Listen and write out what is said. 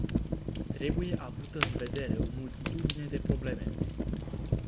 Trebuie avută în vedere o multitudine de probleme.